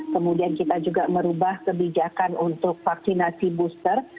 kemudian kita juga merubah kebijakan untuk vaksinasi booster